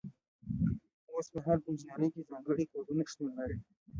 اوس مهال په انجنیری کې ځانګړي کوډونه شتون لري.